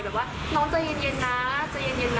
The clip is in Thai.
แบบว่าน้องจะเย็นนะจะเย็นนะจะมันจะไปอะไรอย่างนี้